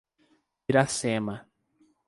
Piracema